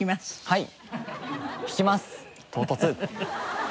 はい。